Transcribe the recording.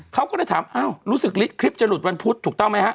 เขาก็เลยถามอ้าวรู้สึกคลิปจะหลุดวันพุธถูกต้องไหมฮะ